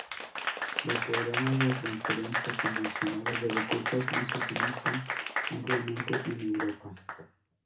Los programas de transferencia condicionada de recursos no se utilizan ampliamente en Europa.